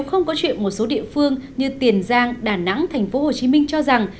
không có chuyện một số địa phương như tiền giang đà nẵng tp hcm cho rằng